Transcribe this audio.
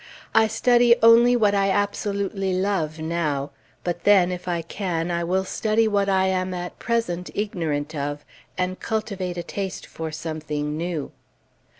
I study only what I absolutely love, now; but then, if I can, I will study what I am at present ignorant of, and cultivate a taste for something new.